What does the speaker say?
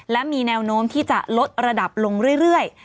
และมีแนวโน้มที่จะลดระดับลงเรื่อย